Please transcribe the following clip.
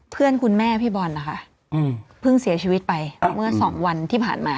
เพื่อนคุณแม่พี่บอลนะคะเพิ่งเสียชีวิตไปเมื่อสองวันที่ผ่านมา